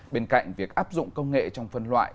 bên cạnh việc áp dụng công nghệ trong phân loại